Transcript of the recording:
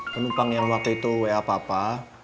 penumpang yang waktu itu wa papa